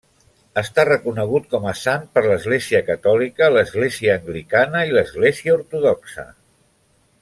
Està reconegut com a sant per l'Església Catòlica, l'Església Anglicana i l'Església Ortodoxa.